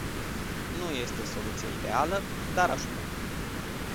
Nu este soluția ideală, dar ajută.